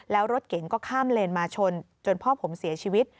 แล้วรถเก๋งก็ข้ามเลนมาชนจนพ่อผมเสียชีวิต